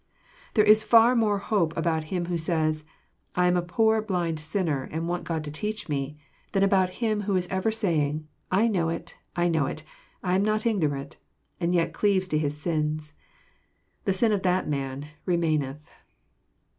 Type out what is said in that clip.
There is far more hope about him who says, '^ I am a poor blind sinner and want God to teach me, '* than about .him who is ever saying, ^^ I know it, I know it, I am not ignorant," and yet cleaves to his sins. — ^The sin of that man " remaineth."